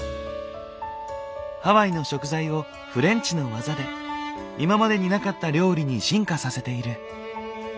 ハワイの食材をフレンチの技で今までになかった料理に進化させている。